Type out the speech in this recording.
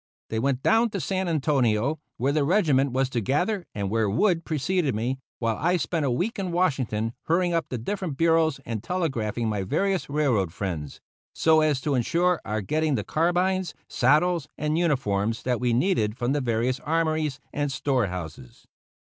They went down to San Antonio, where the regiment was to gather and where Wood preceded me, while I spent a week in Washington hurrying up the different bureaus and telegraphing my various railroad friends, so as to insure our getting the carbines, saddles, and uniforms that we needed from the various armories and storehouses.